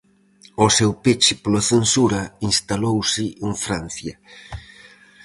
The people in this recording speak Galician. Ao seu peche pola censura, instalouse en Francia.